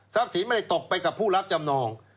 สินไม่ได้ตกไปกับผู้รับจำนอง